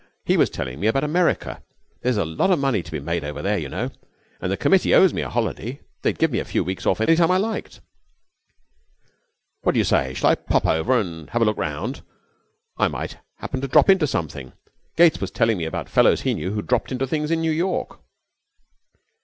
He was telling me about America. There's a lot of money to be made over there, you know, and the committee owes me a holiday. They would give me a few weeks off any time I liked. 'What do you say? Shall I pop over and have a look round? I might happen to drop into something. Gates was telling me about fellows he knew who had dropped into things in New York.'